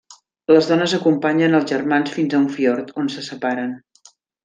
Les dones acompanyen als germans fins a un fiord, on se separen.